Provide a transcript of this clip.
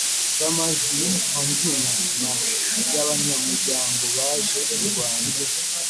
bw amajwi angina na by abanyamuryango baje murwanda